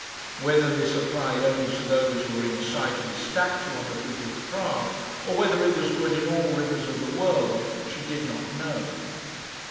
Whether this applied only to those who were in sight of his statue on the bridge of Prague, or whether it was good in all rivers of the world, she did not know.